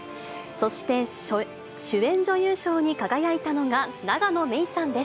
そして、主演女優賞に輝いたのが永野芽郁さんです。